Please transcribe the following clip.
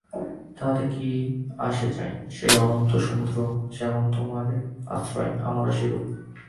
তাহাতে কি আসে যায়! সেই অনন্ত সমুদ্র যেমন তোমার আশ্রয়, আমারও সেইরূপ।